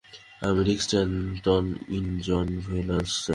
আমি Rick Stanton, ইনি John ভোল্যান্থেন।